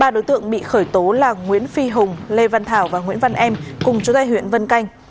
ba đối tượng bị khởi tố là nguyễn phi hùng lê văn thảo và nguyễn văn em cùng chú tài huyện vân canh